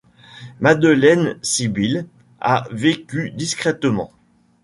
Madeleine Sibylle a vécu discrètement.